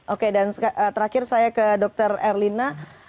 oke dan terakhir saya ke dr erlina